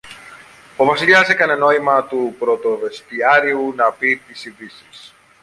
Ο Βασιλιάς έκανε νόημα του πρωτοβεστιάριου να πει τις ειδήσεις.